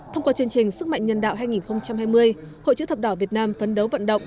thông qua chương trình sức mạnh nhân đạo hai nghìn hai mươi hội chữ thập đỏ việt nam phấn đấu vận động